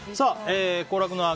行楽の秋！